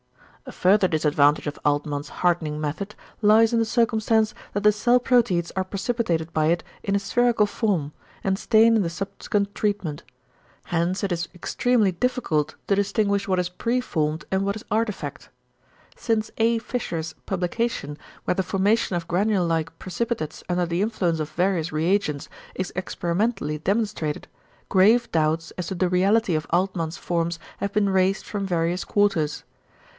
A further disadvantage of Altmann's hardening method lies in the circumstance, that the cell proteids are precipitated by it in a spherical form, and stain in the subsequent treatment. Hence it is extremely difficult to distinguish what is preformed, and what is artefact. Since A. Fischer's publication, where the formation of granule like precipitates under the influence of various reagents is experimentally demonstrated, grave doubts as to the reality of Altmann's forms have been raised from various quarters.